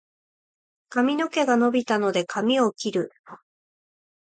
髪の毛が伸びたので、髪を切る。